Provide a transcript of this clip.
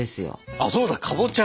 あっそうだかぼちゃ！